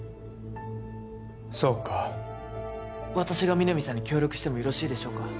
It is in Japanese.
そうか私が皆実さんに協力してもよろしいでしょうか？